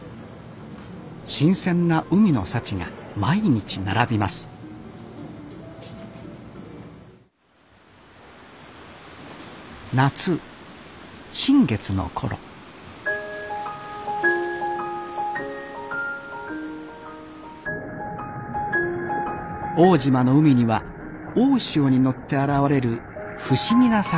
新鮮な海の幸が毎日並びます夏新月の頃奥武島の海には大潮に乗って現れる不思議な魚がいます。